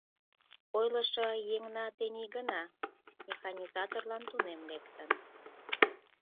Ойлышо еҥна тений гына механизаторлан тунем лектын.